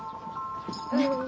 うん。